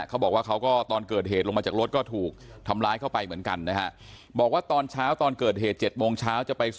เค้าบอกว่าเค้าก็ตอนเกิดเหตุลงมาจากรถก็ถูกทำร้ายเข้าไปเหมือนกันนะฮะ